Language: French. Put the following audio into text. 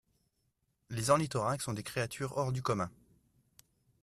Les ornithorynques sont des créatures hors du commun.